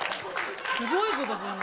ひどいことすんな。